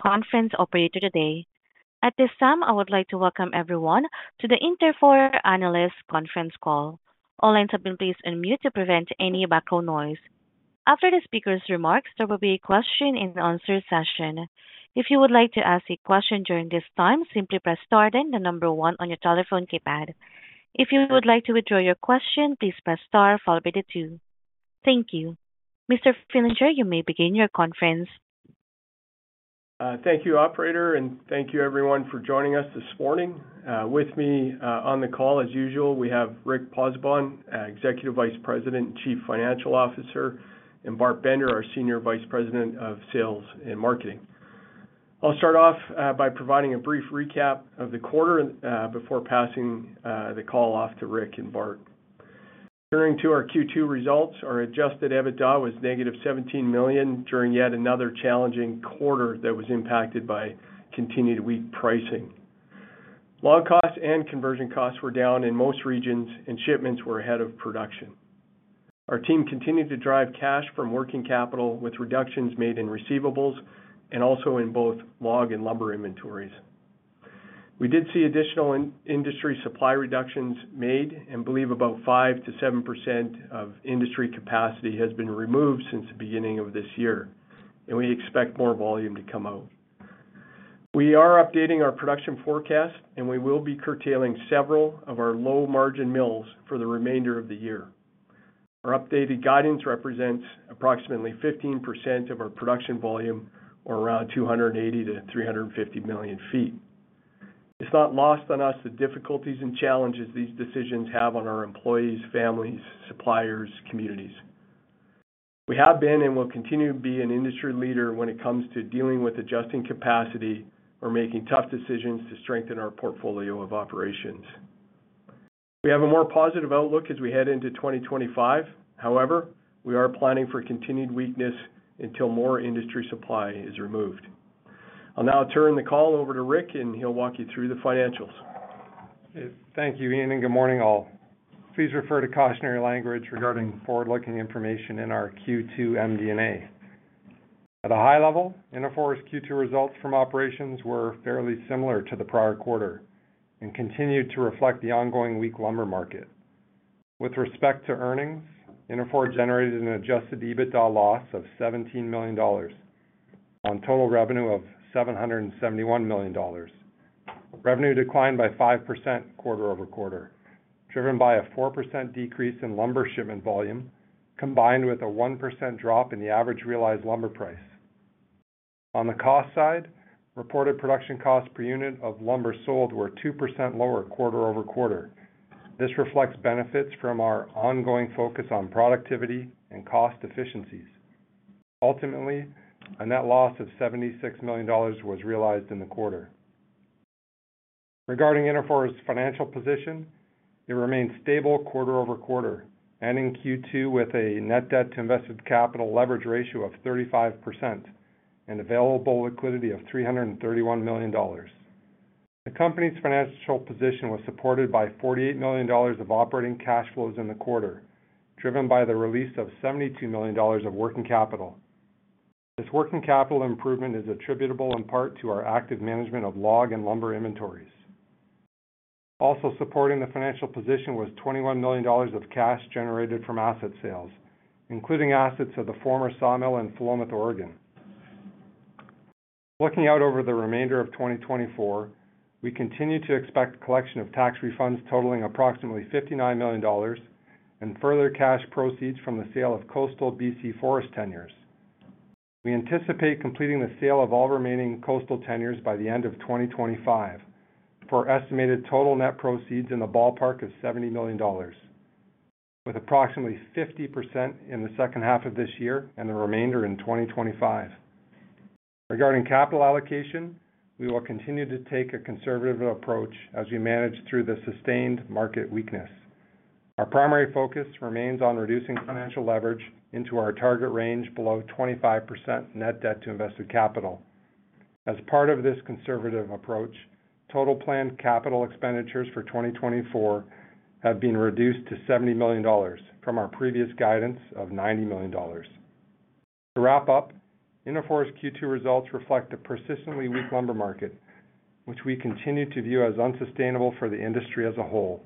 Conference operator today. At this time, I would like to welcome everyone to the Interfor Analyst Conference Call. All lines have been placed on mute to prevent any background noise. After the speaker's remarks, there will be a question-and-answer session. If you would like to ask a question during this time, simply press star, then the number one on your telephone keypad. If you would like to withdraw your question, please press star followed by the two. Thank you. Mr. Fillinger, you may begin your conference. Thank you, operator, and thank you everyone for joining us this morning. With me, on the call, as usual, we have Rick Pozzebon, Executive Vice President and Chief Financial Officer, and Bart Bender, our Senior Vice President of Sales and Marketing. I'll start off, by providing a brief recap of the quarter, before passing, the call off to Rick and Bart. Turning to our Q2 results, our Adjusted EBITDA was negative 17 million during yet another challenging quarter that was impacted by continued weak pricing. Log costs and conversion costs were down in most regions and shipments were ahead of production. Our team continued to drive cash from working capital, with reductions made in receivables and also in both log and lumber inventories. We did see additional in-industry supply reductions made and believe about 5%-7% of industry capacity has been removed since the beginning of this year, and we expect more volume to come out. We are updating our production forecast, and we will be curtailing several of our low-margin mills for the remainder of the year. Our updated guidance represents approximately 15% of our production volume, or around 280-350 million feet. It's not lost on us, the difficulties and challenges these decisions have on our employees, families, suppliers, communities. We have been and will continue to be an industry leader when it comes to dealing with adjusting capacity or making tough decisions to strengthen our portfolio of operations. We have a more positive outlook as we head into 2025. However, we are planning for continued weakness until more industry supply is removed. I'll now turn the call over to Rick, and he'll walk you through the financials. Thank you, Ian, and good morning, all. Please refer to cautionary language regarding forward-looking information in our Q2 MD&A. At a high level, Interfor's Q2 results from operations were fairly similar to the prior quarter and continued to reflect the ongoing weak lumber market. With respect to earnings, Interfor generated an adjusted EBITDA loss of 70 million dollars on total revenue of 771 million dollars. Revenue declined by 5% quarter-over-quarter, driven by a 4% decrease in lumber shipment volume, combined with a 1% drop in the average realized lumber price. On the cost side, reported production costs per unit of lumber sold were 2% lower quarter-over-quarter. This reflects benefits from our ongoing focus on productivity and cost efficiencies. Ultimately, a net loss of 76 million dollars was realized in the quarter. Regarding Interfor's financial position, it remained stable quarter-over-quarter, ending Q2 with a net debt to invested capital leverage ratio of 35% and available liquidity of 331 million dollars. The company's financial position was supported by 48 million dollars of operating cash flows in the quarter, driven by the release of 72 million dollars of working capital. This working capital improvement is attributable in part to our active management of log and lumber inventories. Also supporting the financial position was 21 million dollars of cash generated from asset sales, including assets of the former sawmill in Philomath, Oregon. Looking out over the remainder of 2024, we continue to expect collection of tax refunds totaling approximately 59 million dollars and further cash proceeds from the sale of coastal BC forest tenures. We anticipate completing the sale of all remaining coastal tenures by the end of 2025, for estimated total net proceeds in the ballpark of $70 million, with approximately 50% in the second half of this year and the remainder in 2025. Regarding capital allocation, we will continue to take a conservative approach as we manage through the sustained market weakness. Our primary focus remains on reducing financial leverage into our target range below 25% net debt to invested capital. As part of this conservative approach, total planned capital expenditures for 2024 have been reduced to $70 million from our previous guidance of $90 million. To wrap up, Interfor's Q2 results reflect a persistently weak lumber market, which we continue to view as unsustainable for the industry as a whole.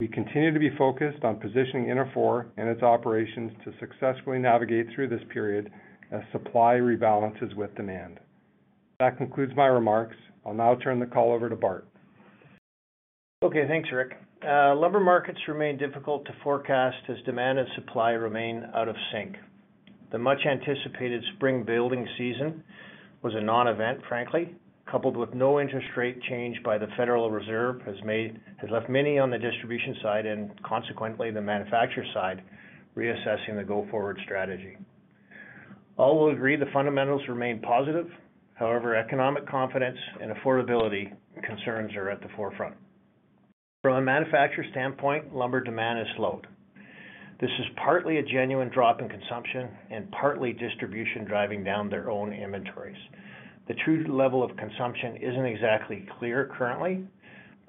We continue to be focused on positioning Interfor and its operations to successfully navigate through this period as supply rebalances with demand. That concludes my remarks. I'll now turn the call over to Bart. Okay, thanks, Rick. Lumber markets remain difficult to forecast as demand and supply remain out of sync. The much-anticipated spring building season was a non-event, frankly, coupled with no interest rate change by the Federal Reserve, has left many on the distribution side and consequently the manufacturer side, reassessing the go-forward strategy. All will agree the fundamentals remain positive. However, economic confidence and affordability concerns are at the forefront. From a manufacturer standpoint, lumber demand has slowed. This is partly a genuine drop in consumption and partly distribution driving down their own inventories. The true level of consumption isn't exactly clear currently,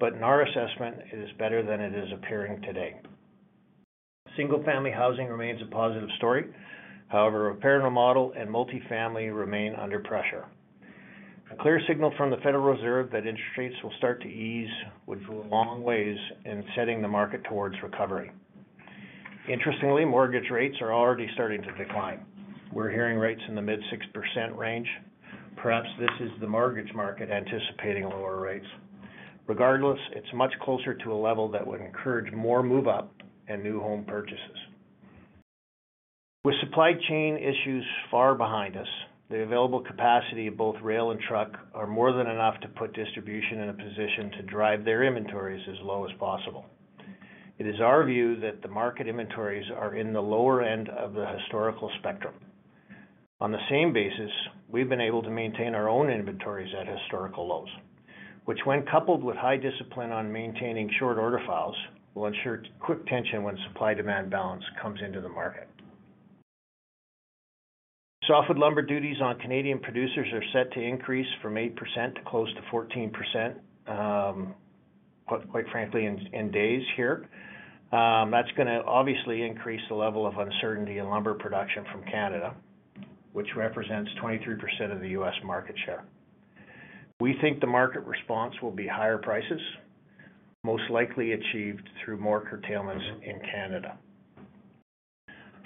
but in our assessment, it is better than it is appearing today. Single-family housing remains a positive story. However, repair and remodel and multifamily remain under pressure. A clear signal from the Federal Reserve that interest rates will start to ease would go a long ways in setting the market towards recovery. Interestingly, mortgage rates are already starting to decline. We're hearing rates in the mid-6% range. Perhaps this is the mortgage market anticipating lower rates. Regardless, it's much closer to a level that would encourage more move up and new home purchases. With supply chain issues far behind us, the available capacity of both rail and truck are more than enough to put distribution in a position to drive their inventories as low as possible. It is our view that the market inventories are in the lower end of the historical spectrum. On the same basis, we've been able to maintain our own inventories at historical lows, which, when coupled with high discipline on maintaining short order files, will ensure quick tension when supply-demand balance comes into the market. Softwood lumber duties on Canadian producers are set to increase from 8% to close to 14%, quite frankly, in days here. That's gonna obviously increase the level of uncertainty in lumber production from Canada, which represents 23% of the US market share. We think the market response will be higher prices, most likely achieved through more curtailments in Canada.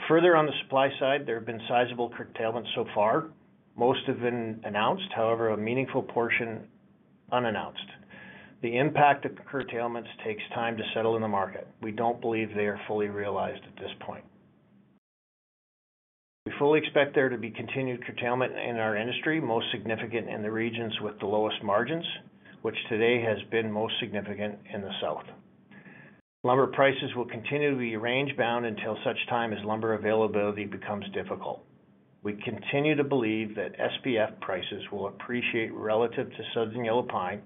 Further, on the supply side, there have been sizable curtailments so far. Most have been announced, however, a meaningful portion unannounced. The impact of the curtailments takes time to settle in the market. We don't believe they are fully realized at this point. We fully expect there to be continued curtailment in our industry, most significant in the regions with the lowest margins, which today has been most significant in the South. Lumber prices will continue to be range-bound until such time as lumber availability becomes difficult. We continue to believe that SPF prices will appreciate relative to studs and yellow pine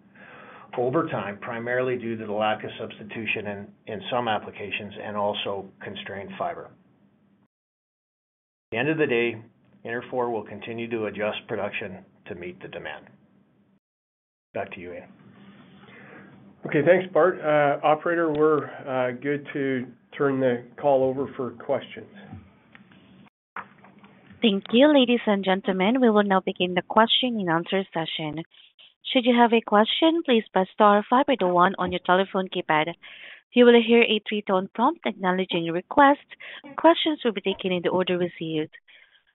over time, primarily due to the lack of substitution in some applications and also constrained fiber. At the end of the day, Interfor will continue to adjust production to meet the demand. Back to you, Ian. Okay, thanks, Bart. Operator, we're good to turn the call over for questions. Thank you, ladies and gentlemen. We will now begin the question and answer session. Should you have a question, please press star followed by one on your telephone keypad. You will hear a 3-tone prompt acknowledging your request. Questions will be taken in the order received.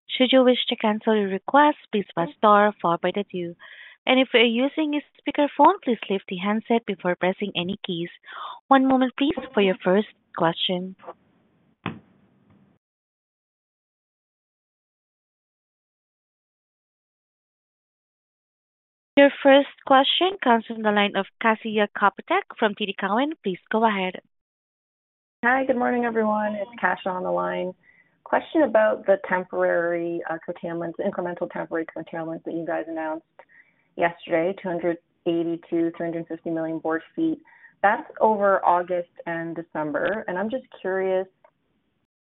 Should you wish to cancel your request, please press star followed by two. If you're using a speakerphone, please leave the handset before pressing any keys. One moment, please, for your first question. Your first question comes from the line of Kasia Kopytek from TD Cowen. Please go ahead. Hi, good morning, everyone. It's Kasia on the line. Question about the temporary curtailments, incremental temporary curtailments that you guys announced yesterday, 282-350 million board feet. That's over August and December, and I'm just curious,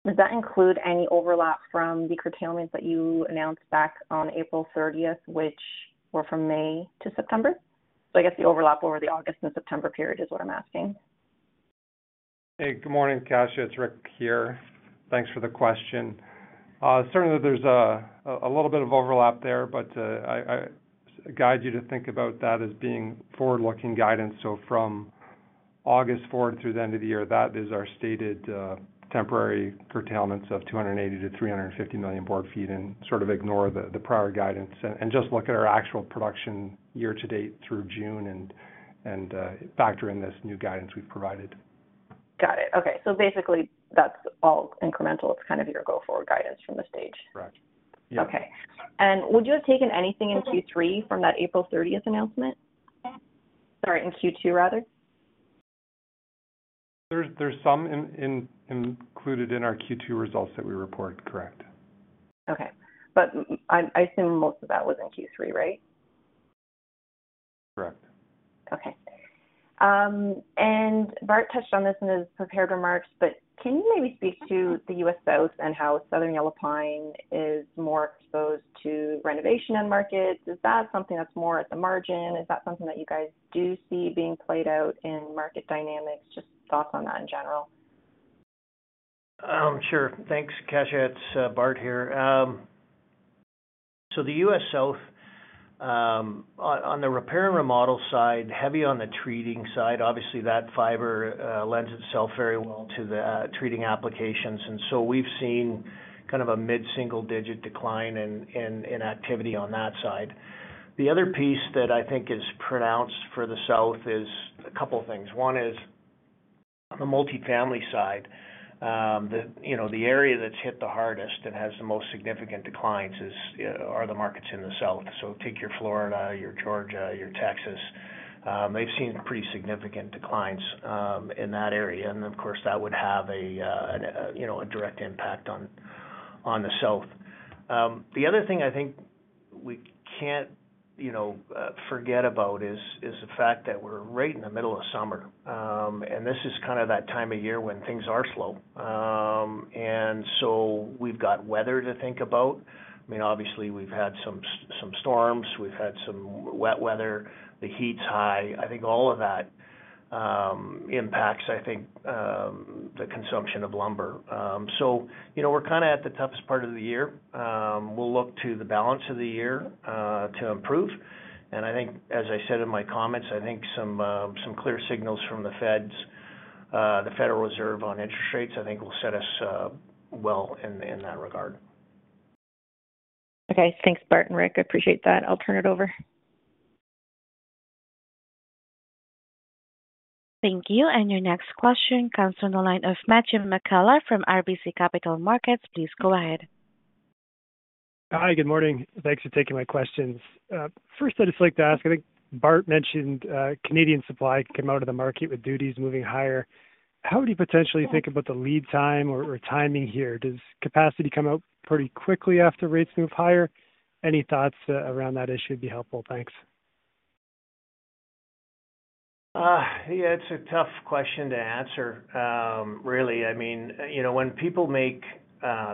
does that include any overlap from the curtailments that you announced back on April 30th, which were from May to September? So I guess the overlap over the August and September period is what I'm asking. Hey, good morning, Kasia. It's Rick here. Thanks for the question. Certainly there's a little bit of overlap there, but I guide you to think about that as being forward-looking guidance. So from August forward through the end of the year, that is our stated temporary curtailments of 280-350 million board feet, and sort of ignore the prior guidance and just look at our actual production year to date through June and factor in this new guidance we've provided. Got it. Okay. So basically, that's all incremental. It's kind of your go-forward guidance from this stage? Correct. Yeah. Okay. And would you have taken anything in Q3 from that April 30 announcement? Sorry, in Q2 rather. There's some income included in our Q2 results that we reported, correct. Okay. But I assume most of that was in Q3, right? Correct. Okay. And Bart touched on this in his prepared remarks, but can you maybe speak to the US South and how Southern Yellow Pine is more exposed to renovation end markets? Is that something that's more at the margin? Is that something that you guys do see being played out in market dynamics? Just thoughts on that in general. Sure. Thanks, Kasia. It's Bart here. So the US South, on the repair and remodel side, heavy on the treating side, obviously that fiber lends itself very well to the treating applications. And so we've seen kind of a mid-single digit decline in activity on that side. The other piece that I think is pronounced for the South is a couple of things. One is, on the multifamily side, you know, the area that's hit the hardest and has the most significant declines are the markets in the South. So take your Florida, your Georgia, your Texas, they've seen pretty significant declines in that area, and of course, that would have a, you know, a direct impact on the South. The other thing I think we can't, you know, forget about is the fact that we're right in the middle of summer, and this is kind of that time of year when things are slow. So we've got weather to think about. I mean, obviously, we've had some storms, we've had some wet weather, the heat's high. I think all of that impacts, I think, the consumption of lumber. So, you know, we're kind of at the toughest part of the year. We'll look to the balance of the year to improve. I think as I said in my comments, I think some clear signals from the feds, the Federal Reserve on interest rates, I think will set us well in that regard. Okay. Thanks, Bart and Rick, I appreciate that. I'll turn it over. Thank you, and your next question comes from the line of Matthew McKellar from RBC Capital Markets. Please go ahead. Hi, good morning. Thanks for taking my questions. First, I'd just like to ask, I think Bart mentioned, Canadian supply come out of the market with duties moving higher. How would you potentially think about the lead time or, or timing here? Does capacity come out pretty quickly after rates move higher? Any thoughts around that issue would be helpful. Thanks. Yeah, it's a tough question to answer. Really, I mean, you know, when people make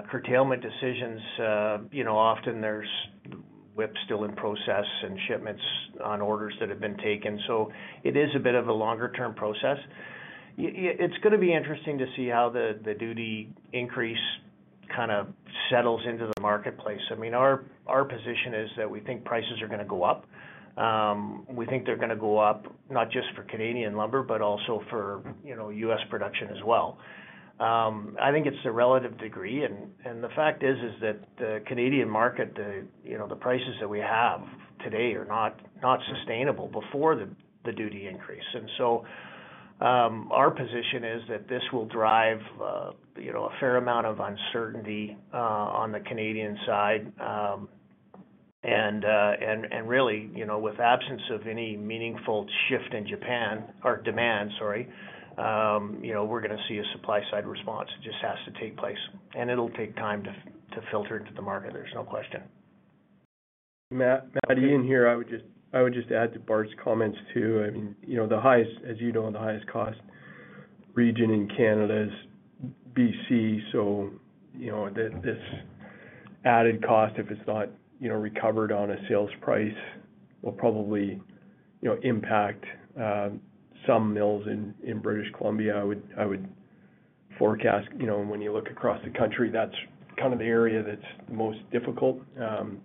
curtailment decisions, you know, often there's WIPs still in process and shipments on orders that have been taken, so it is a bit of a longer-term process. It's gonna be interesting to see how the duty increase kind of settles into the marketplace. I mean, our position is that we think prices are gonna go up. We think they're gonna go up not just for Canadian lumber, but also for, you know, U.S. production as well. I think it's a relative degree, and the fact is that the Canadian market, you know, the prices that we have today are not sustainable before the duty increase. And so, our position is that this will drive, you know, a fair amount of uncertainty on the Canadian side. And really, you know, with absence of any meaningful shift in Japan, or demand, sorry, you know, we're gonna see a supply side response. It just has to take place, and it'll take time to filter into the market, there's no question. Matt, Ian here. I would just add to Bart's comments, too. I mean, you know, the highest, as you know, the highest cost region in Canada is BC, so you know, this added cost, if it's not, you know, recovered on a sales price, will probably, you know, impact some mills in British Columbia. I would forecast, you know, when you look across the country, that's kind of the area that's the most difficult,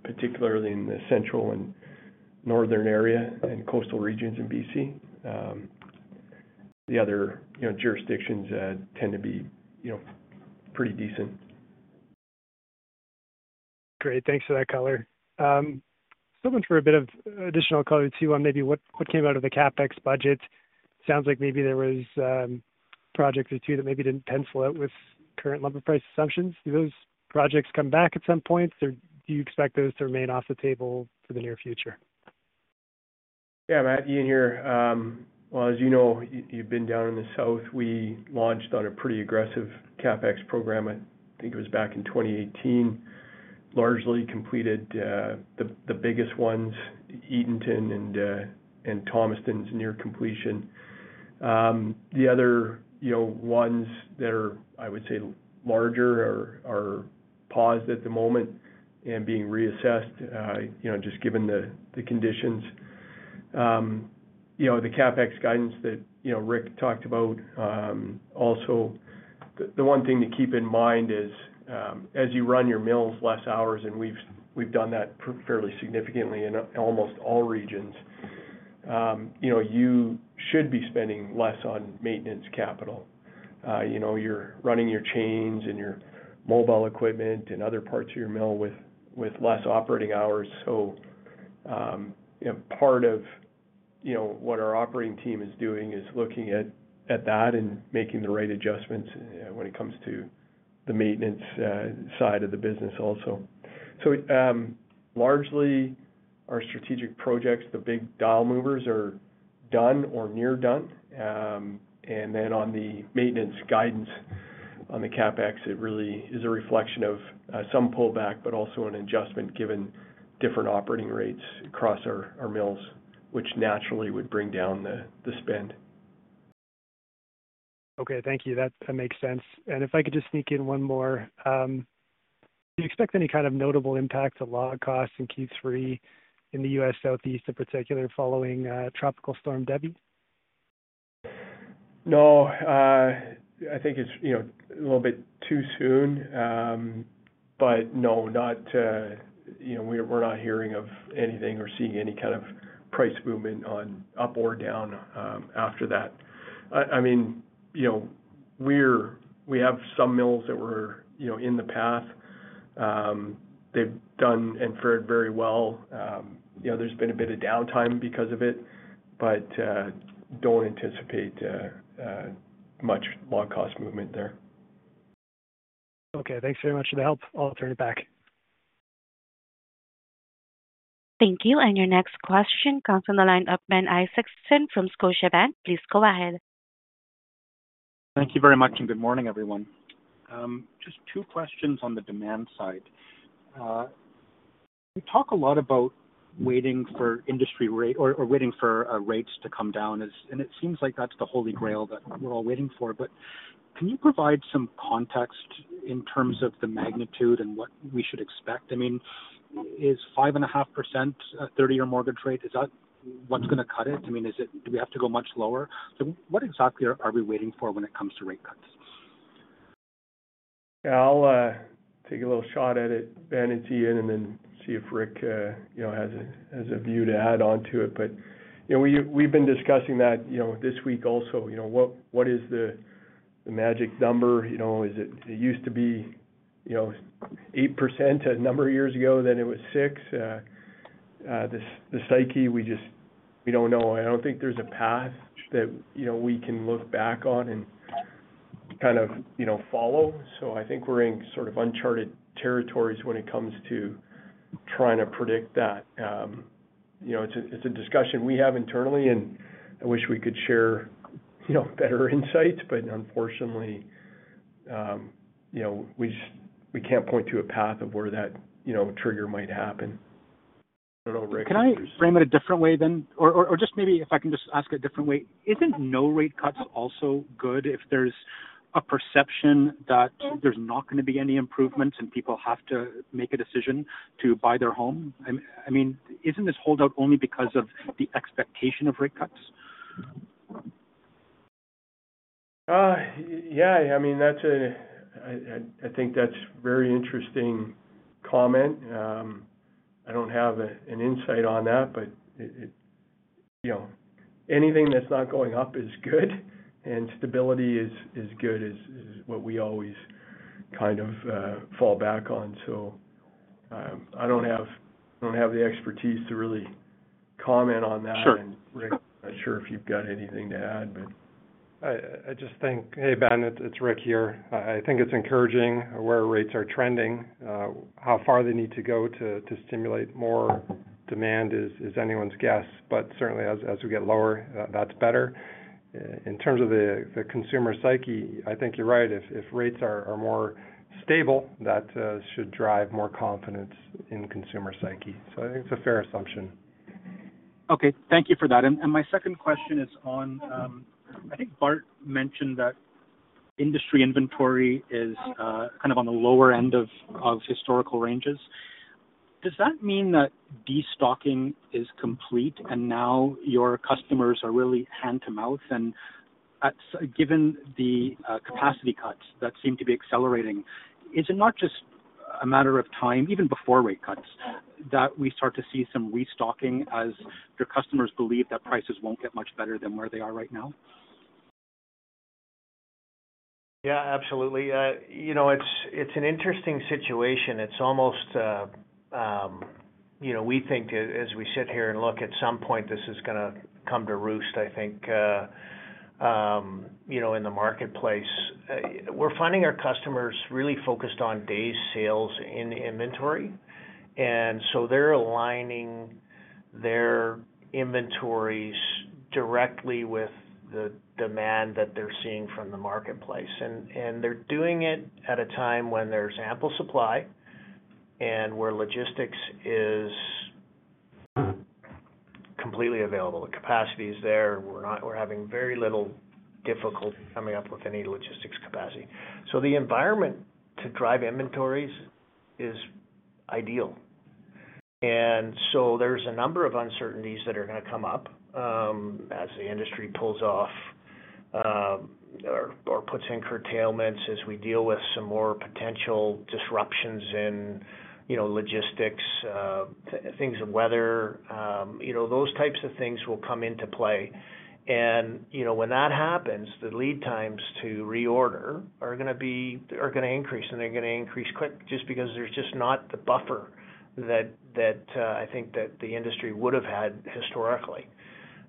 particularly in the central and northern area and coastal regions in BC. The other, you know, jurisdictions tend to be, you know, pretty decent. Great, thanks for that color. Still looking for a bit of additional color too, on maybe what came out of the CapEx budget. Sounds like maybe there was a project or two that maybe didn't pencil out with current lumber price assumptions. Do those projects come back at some point, or do you expect those to remain off the table for the near future? Yeah, Matt, Ian here. Well, as you know, you've been down in the South, we launched on a pretty aggressive CapEx program, I think it was back in 2018. Largely completed, the biggest ones, Edenton and Thomaston is near completion. The other, you know, ones that are, I would say, larger are paused at the moment and being reassessed, you know, just given the conditions. You know, the CapEx guidance that, you know, Rick talked about, also, the one thing to keep in mind is, as you run your mills less hours, and we've done that fairly significantly in almost all regions, you know, you should be spending less on maintenance capital. You know, you're running your chains and your mobile equipment and other parts of your mill with less operating hours. So, you know, part of what our operating team is doing is looking at that and making the right adjustments when it comes to the maintenance side of the business also. So, largely, our strategic projects, the big dial movers, are done or near done. And then on the maintenance guidance on the CapEx, it really is a reflection of some pullback, but also an adjustment given different operating rates across our mills, which naturally would bring down the spend. Okay, thank you. That, that makes sense. And if I could just sneak in one more. Do you expect any kind of notable impact to log costs in Q3 in the US Southeast, in particular, following Tropical Storm Debby? No, I think it's, you know, a little bit too soon. But no, not, you know, we're not hearing of anything or seeing any kind of price movement on up or down, after that. I mean, you know, we have some mills that were, you know, in the path. They've done and fared very well. You know, there's been a bit of downtime because of it, but, don't anticipate, much log cost movement there. Okay, thanks very much for the help. I'll turn it back. Thank you, and your next question comes from the line of Ben Isaacson from Scotiabank. Please go ahead. Thank you very much, and good morning, everyone. Just two questions on the demand side. You talk a lot about waiting for industry rate or waiting for rates to come down, as-- and it seems like that's the holy grail that we're all waiting for, but... Can you provide some context in terms of the magnitude and what we should expect? I mean, is 5.5%, a 30-year mortgage rate, is that what's gonna cut it? I mean, is it-- do we have to go much lower? So what exactly are we waiting for when it comes to rate cuts? Yeah, I'll take a little shot at it, Ben, it's Ian, and then see if Rick you know has a view to add on to it. But you know we we've been discussing that you know this week also you know what is the magic number? You know is it it used to be you know 8% a number of years ago, then it was 6%. The psyche, we just we don't know. I don't think there's a path that you know we can look back on and kind of you know follow. So I think we're in sort of uncharted territories when it comes to trying to predict that. You know it's a it's a discussion we have internally, and I wish we could share you know better insights. Unfortunately, you know, we just, we can't point to a path of where that, you know, trigger might happen. I don't know, Rick. Can I frame it a different way then? Or just maybe if I can just ask a different way: Isn't no rate cuts also good if there's a perception that there's not gonna be any improvements and people have to make a decision to buy their home? I mean, isn't this holdout only because of the expectation of rate cuts? Yeah, I mean, that's a very interesting comment. I don't have an insight on that, but you know, anything that's not going up is good, and stability is good, is what we always kind of fall back on. So, I don't have the expertise to really comment on that. Sure. Rick, not sure if you've got anything to add, but. Hey, Ben, it's Rick here. I think it's encouraging where rates are trending. How far they need to go to stimulate more demand is anyone's guess, but certainly as we get lower, that's better. In terms of the consumer psyche, I think you're right. If rates are more stable, that should drive more confidence in consumer psyche. So I think it's a fair assumption. Okay. Thank you for that. And my second question is on, I think Bart mentioned that industry inventory is kind of on the lower end of historical ranges. Does that mean that destocking is complete and now your customers are really hand-to-mouth? And given the capacity cuts that seem to be accelerating, is it not just a matter of time, even before rate cuts, that we start to see some restocking as your customers believe that prices won't get much better than where they are right now? Yeah, absolutely. You know, it's an interesting situation. It's almost, you know, we think as we sit here and look, at some point, this is gonna come to roost, I think, you know, in the marketplace. We're finding our customers really focused on days sales in inventory, and so they're aligning their inventories directly with the demand that they're seeing from the marketplace. And they're doing it at a time when there's ample supply and where logistics is completely available. The capacity is there. We're not. We're having very little difficulty coming up with any logistics capacity. So the environment to drive inventories is ideal. And so there's a number of uncertainties that are gonna come up, as the industry pulls off, or puts in curtailments, as we deal with some more potential disruptions in, you know, logistics, things of weather. You know, those types of things will come into play. And, you know, when that happens, the lead times to reorder are gonna increase, and they're gonna increase quick, just because there's just not the buffer that, that, I think that the industry would have had historically.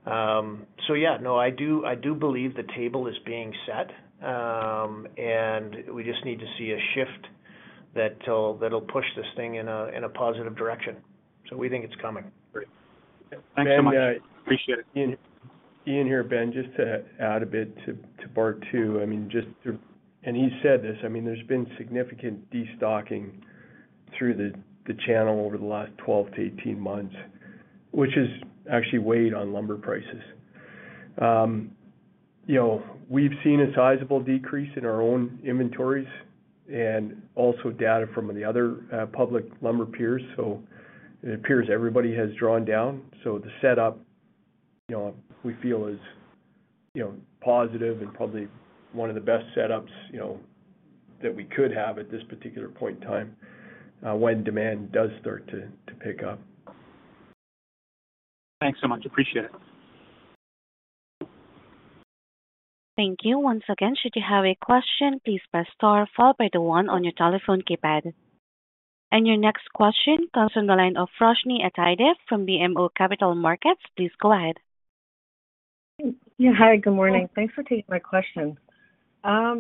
So yeah, no, I do, I do believe the table is being set, and we just need to see a shift that'll push this thing in a positive direction. So we think it's coming. Great. Thanks so much. Appreciate it. Ian here, Ben, just to add a bit to part two. I mean, just to... And he said this, I mean, there's been significant destocking through the channel over the last 12-18 months, which has actually weighed on lumber prices. You know, we've seen a sizable decrease in our own inventories and also data from the other public lumber peers, so it appears everybody has drawn down. So the setup, you know, we feel is, you know, positive and probably one of the best setups, you know, that we could have at this particular point in time, when demand does start to pick up. Thanks so much. Appreciate it. Thank you. Once again, should you have a question, please press star followed by the one on your telephone keypad. Your next question comes from the line of Roshni Athaide from BMO Capital Markets. Please go ahead. Yeah. Hi, good morning. Thanks for taking my question.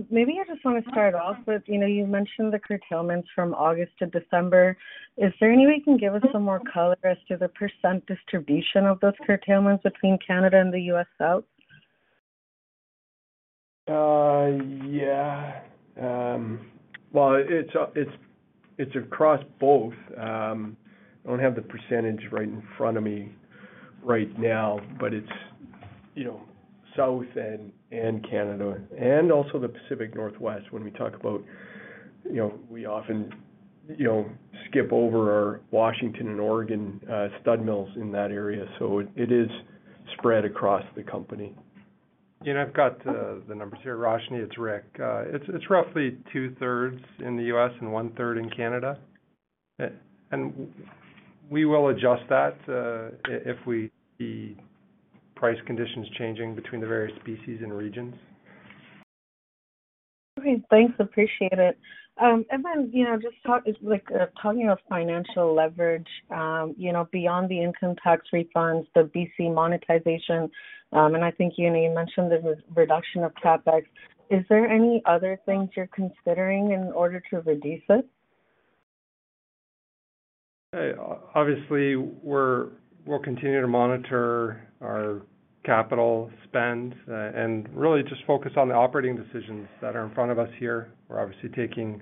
Maybe I just want to start off with, you know, you mentioned the curtailments from August to December. Is there any way you can give us some more color as to the percent distribution of those curtailments between Canada and the US South? Yeah. Well, it's—it's across both. I don't have the percentage right in front of me right now, but it's, you know, South and Canada and also the Pacific Northwest. When we talk about, you know, we often, you know, skip over our Washington and Oregon stud mills in that area, so it is spread across the company. I've got the numbers here, Roshni, it's Rick. It's roughly two-thirds in the US and one-third in Canada. We will adjust that if we see price conditions changing between the various species and regions. Okay, thanks. Appreciate it. And then, you know, just talking of financial leverage, you know, beyond the income tax refunds, the BC monetization, and I think, Ian, you mentioned there was reduction of CapEx. Is there any other things you're considering in order to reduce it? Obviously, we're continuing to monitor our capital spend and really just focus on the operating decisions that are in front of us here. We're obviously taking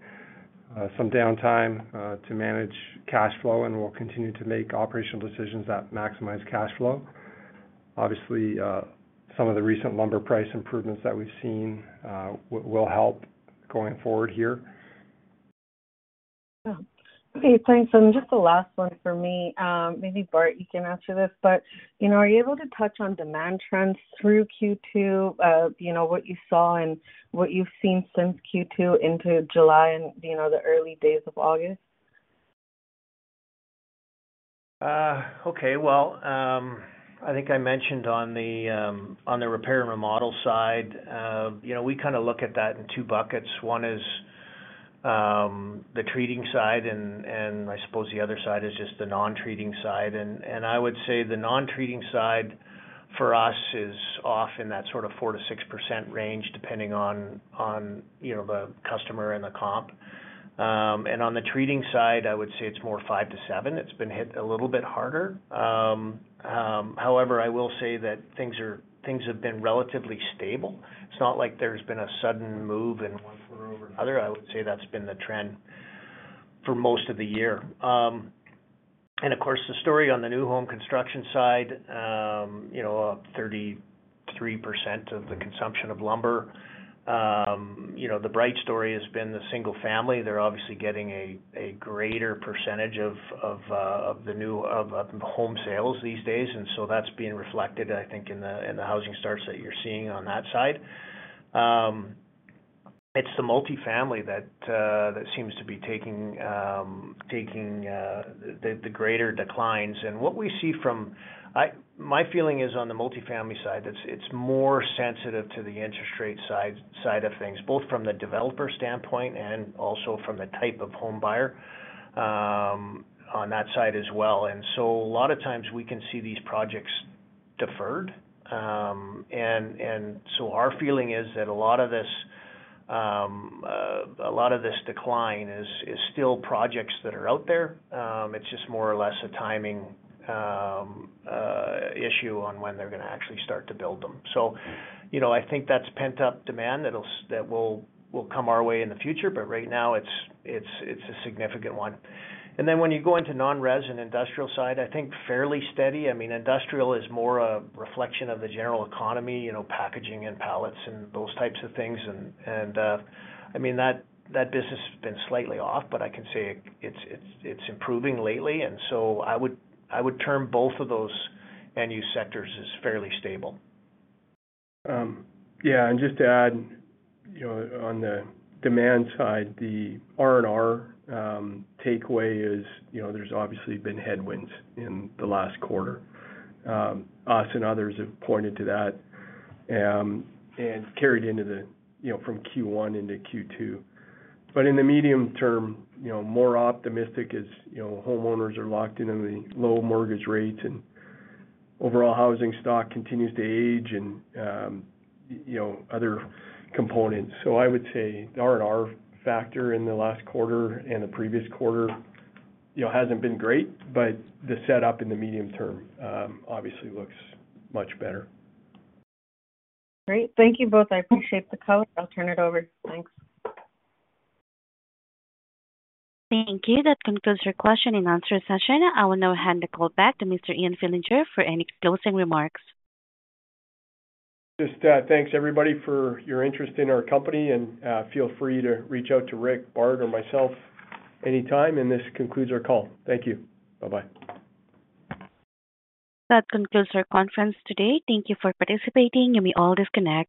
some downtime to manage cash flow, and we'll continue to make operational decisions that maximize cash flow. Obviously, some of the recent lumber price improvements that we've seen will help going forward here. Yeah. Okay, thanks. Just the last one for me, maybe, Bart, you can answer this, but, you know, are you able to touch on demand trends through Q2? You know, what you saw and what you've seen since Q2 into July and, you know, the early days of August? Okay. Well, I think I mentioned on the repair and remodel side, you know, we kind of look at that in two buckets. One is the treating side, and I suppose the other side is just the non-treating side. And I would say the non-treating side, for us, is off in that sort of 4%-6% range, depending on, you know, the customer and the comp. And on the treating side, I would say it's more 5%-7%. It's been hit a little bit harder. However, I will say that things have been relatively stable. It's not like there's been a sudden move in one quarter over another. I would say that's been the trend for most of the year. And of course, the story on the new home construction side, you know, 33% of the consumption of lumber, you know, the bright story has been the single family. They're obviously getting a greater percentage of the new home sales these days, and so that's being reflected, I think, in the housing starts that you're seeing on that side. It's the multifamily that seems to be taking the greater declines. And what we see, my feeling is on the multifamily side, that it's more sensitive to the interest rate side of things, both from the developer standpoint and also from the type of homebuyer on that side as well. And so a lot of times we can see these projects deferred. Our feeling is that a lot of this decline is still projects that are out there. It's just more or less a timing issue on when they're gonna actually start to build them. So, you know, I think that's pent-up demand that will come our way in the future, but right now it's a significant one. Then when you go into non-res and industrial side, I think fairly steady. I mean, industrial is more a reflection of the general economy, you know, packaging and pallets and those types of things. I mean, that business has been slightly off, but I can say it's improving lately. So I would term both of those end-use sectors as fairly stable. Yeah, and just to add, you know, on the demand side, the R&R, takeaway is, you know, there's obviously been headwinds in the last quarter. Us and others have pointed to that, and carried into the, you know, from Q1 into Q2. But in the medium term, you know, more optimistic as, you know, homeowners are locked into the low mortgage rates, and overall housing stock continues to age and, you know, other components. So I would say the R&R factor in the last quarter and the previous quarter, you know, hasn't been great, but the setup in the medium term, obviously looks much better. Great. Thank you both. I appreciate the call. I'll turn it over. Thanks. Thank you. That concludes your question and answer session. I will now hand the call back to Mr. Ian Fillinger for any closing remarks. Just, thanks, everybody, for your interest in our company, and, feel free to reach out to Rick, Bart, or myself anytime. This concludes our call. Thank you. Bye-bye. That concludes our conference today. Thank you for participating, and we all disconnect.